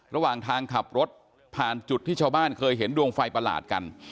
ระหว่างทางขับรถผ่านจุดที่ชาวบ้านเคยเห็นดวงไฟประหลาดกัน